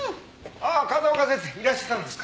ああ風丘先生いらしてたんですか。